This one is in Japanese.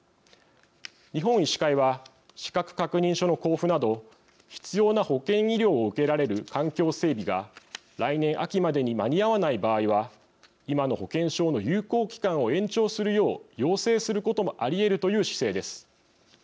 日本医師会は資格確認書の交付など必要な保険医療を受けられる環境整備が来年秋までに間に合わない場合は今の保険証の有効期間を延長するよう要請することもありえるという姿勢です。